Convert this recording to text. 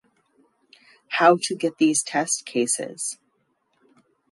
How to get these test cases?